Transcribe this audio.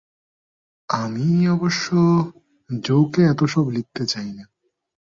আমি অবশ্য জো-কে এত সব লিখতে চাই না।